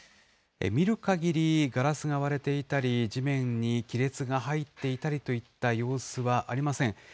見るかぎり、ガラスが割れていたり、地面に亀裂が入っていたりといった様子はありません。